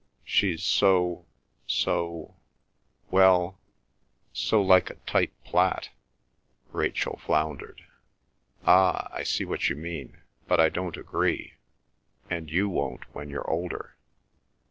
"She's so—so—well, so like a tight plait," Rachel floundered. "Ah—I see what you mean. But I don't agree. And you won't when you're older.